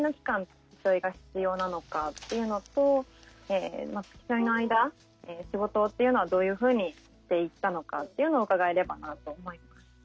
付き添いが必要なのかっていうのと付き添いの間仕事っていうのはどういうふうにしていったのかっていうのを伺えればなと思います。